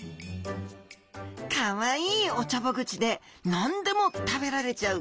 かわいいおちょぼ口で何でも食べられちゃう